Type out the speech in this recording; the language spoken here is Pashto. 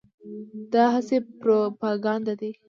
دا هسې پروپاګند دی.